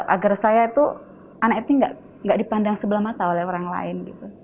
agar saya itu anak ini tidak dipandang sebelah mata oleh orang lain